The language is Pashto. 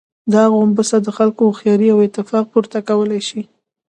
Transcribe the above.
دا غومبسه د خلکو هوښياري او اتفاق، پورته کولای شي.